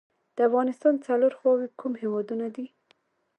د افغانستان څلور خواوې کوم هیوادونه دي؟